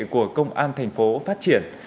của công an thành phố phát triển